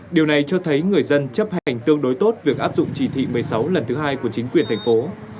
điều này cho thấy người dân chấp hành tương đối tốt việc áp dụng chỉ thị một mươi sáu lần thứ hai của chính quyền thành phố